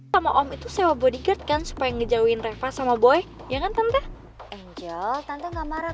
sama om itu sewa bodyguard kan supaya ngejauhin reva sama boy ya kan tante angel tante enggak marah